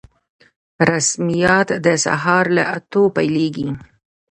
رسميات د سهار له اتو پیلیږي